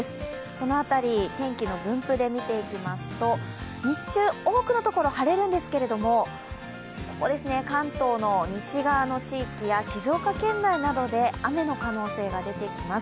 その辺り、天気の分布で見ていきますと、日中、多くのところ晴れるんですけれども関東の西側の地域や静岡県内などで雨の可能性が出てきます。